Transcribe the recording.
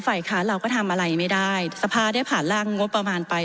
ฝ่ายค้านเราก็ทำอะไรไม่ได้สภาได้ผ่านร่างงบประมาณไป